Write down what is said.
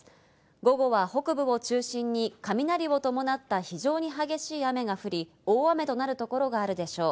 午後は北部を中心に雷を伴った非常に激しい雨が降り、大雨となるところがあるでしょう。